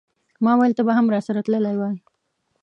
ماویل ته به هم راسره تللی وای.